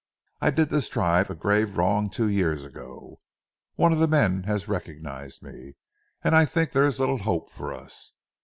"I did this tribe a grave wrong, two years ago. One of the men has recognized me, and I think there is little hope for us.